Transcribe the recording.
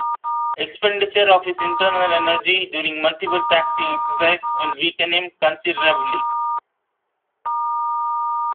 Expenditure of his internal energy during multiple taxing exercise will weaken him considerably.